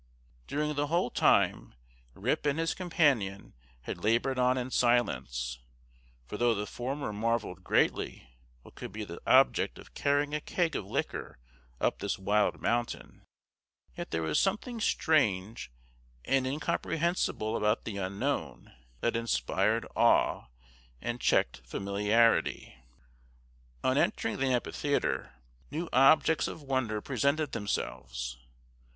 During the whole time Rip and his companion had labored on in silence; for though the former marvelled greatly what could be the object of carrying a keg of liquor up this wild mountain, yet there was something strange and incomprehensible about the unknown, that inspired awe, and checked familiarity. On entering the amphitheatre, new objects of wonder presented themselves.